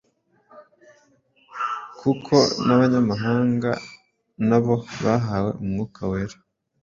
kuko n’abanyamahanga nabo bahawe Umwuka Wera,